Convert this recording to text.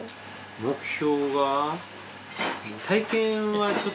目標は。